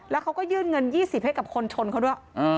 แล้วเขาก็ยื่นเงิน๒๐ให้กับคนชนเขาด้วย